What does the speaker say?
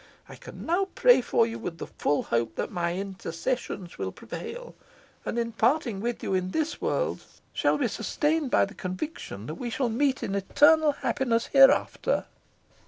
I can now pray for you with the full hope that my intercessions will prevail, and in parting with you in this world shall be sustained by the conviction that we shall meet in eternal happiness hereafter."